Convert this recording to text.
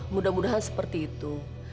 mudah mudahan seperti itu